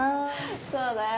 そうだよ。